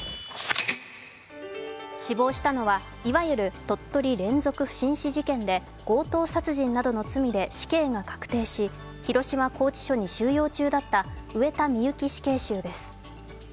死亡したのはいわゆる鳥取連続不審死事件で強盗殺人などの罪で死刑が確定し広島拘置所に収容中だった上田美由紀死刑囚です。